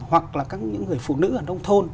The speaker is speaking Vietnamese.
hoặc là các những người phụ nữ ở nông thôn